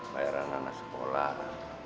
bayaran anak sekolah